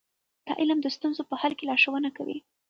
دا علم د ستونزو په حل کې لارښوونه کوي.